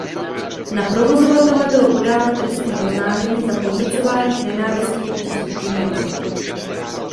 Na provozovatele bylo podáno trestní oznámení za podněcování k nenávisti vůči skupině osob.